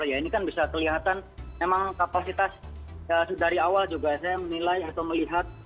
ya ini kan bisa kelihatan memang kapasitas dari awal juga saya menilai atau melihat